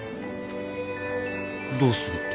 どうするって？